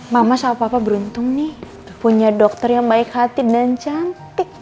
mama sama papa beruntung nih punya dokter yang baik hati dan cantik